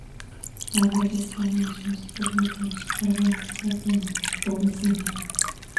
las redes dan a los músicos lo que los superventas ya tienen: publicidad.